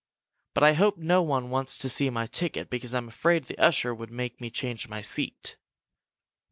"But I hope no one wants to see my ticket because I'm afraid the usher would make me change my seat!"